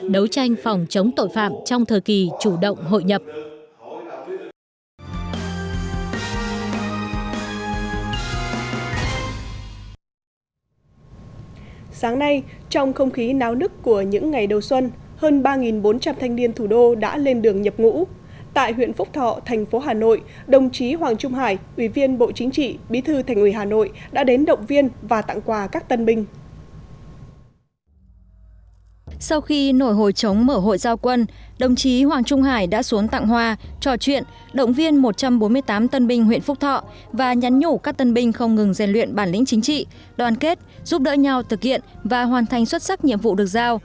sau khi nổi hồi chống mở hội giao quân đồng chí hoàng trung hải đã xuống tặng hòa trò chuyện động viên một trăm bốn mươi tám tân binh huyện phúc thọ và nhắn nhủ các tân binh không ngừng rèn luyện bản lĩnh chính trị đoàn kết giúp đỡ nhau thực hiện và hoàn thành xuất sắc nhiệm vụ được giao